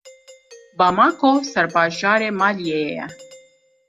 Bamako serbajarê Maliyê ye.